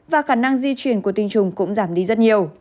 và khả năng di chuyển của tinh trùng cũng giảm đi rất nhiều